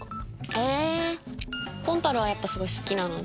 コンパルはやっぱすごい好きなので。